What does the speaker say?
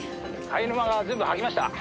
「貝沼が全部吐きました」